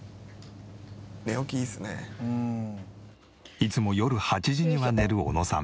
いつも夜８時には寝る小野さん。